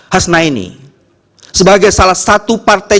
hasna ini sebagai salah satu partai